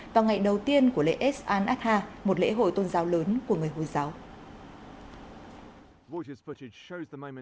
vào ngày đầu tiên của lễ es an adha một lễ hội tôn giáo lớn của người hồi giáo